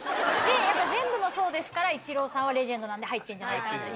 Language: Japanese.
やっぱ全部の層ですからイチローさんはレジェンドなんで入ってんじゃないかなという。